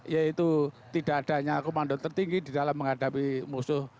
yaitu tidak adanya komando tertinggi di dalam menghadapi musuh